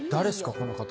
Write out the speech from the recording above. この方。